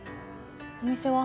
お店は？